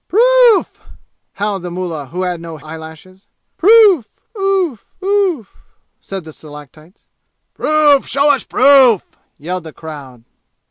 "Proof!" howled the mullah who had no hair eyelashes. "Proof oof oof!" said the stalactites. "Proof! Show us proof!" yelled the crowd.